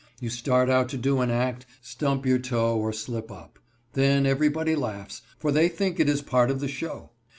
You start out to do an act, stump your toe or slip up. Then everybody laughs, for they think it is part of the show.